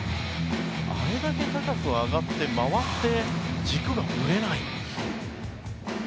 あれだけ高く上がって回って軸がぶれない。